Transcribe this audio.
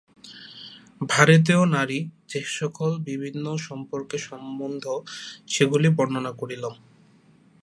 ভারতীয় নারী যে-সকল বিভিন্ন সম্পর্কে সম্বন্ধ, সেগুলি বর্ণনা করিলাম।